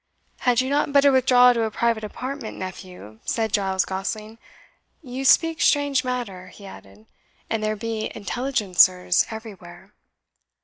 "Had you not better withdraw to a private apartment, nephew?" said Giles Gosling. "You speak strange matter," he added, "and there be intelligencers everywhere."